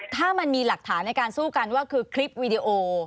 ถ้ามันมีหลักฐานในการสู้กันว่าคือคลิปวีดีโอ